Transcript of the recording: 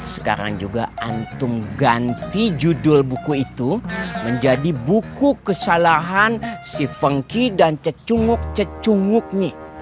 sekarang juga antum ganti judul buku itu menjadi buku kesalahan si fengki dan cecunguk cecunguknyi